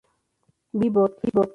B, Bot.